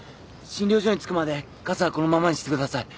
診療所に着くまで傘はこのままにしてください。